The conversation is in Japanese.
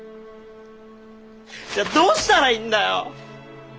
じゃあどうしたらいいんだよ！